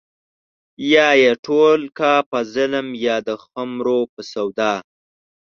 يا يې ټوله کا په ظلم يا د خُمرو په سودا